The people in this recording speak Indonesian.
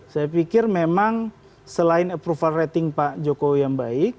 saya pikir memang selain approval rating pak jokowi yang baik